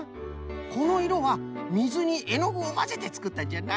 このいろはみずにえのぐをまぜてつくったんじゃな！